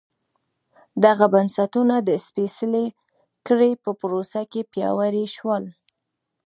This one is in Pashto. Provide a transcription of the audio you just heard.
دغه بنسټونه د سپېڅلې کړۍ په پروسه کې پیاوړي شول.